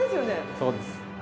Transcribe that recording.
そうです。